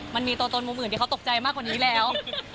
มันมีตัวตนมุมอื่นที่เขาตกใจมากกว่านี้แล้ว